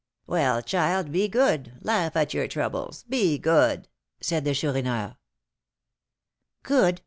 "Well, child, be good laugh at your troubles be good," said the Chourineur. "Good!